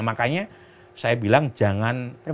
makanya saya bilang jangan bermain main dengan angka